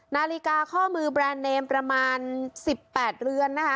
นาฬิกาข้อมือแบรนด์เนมประมาณ๑๘เรือนนะคะ